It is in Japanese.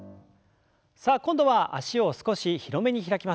さあ今度は脚を少し広めに開きます。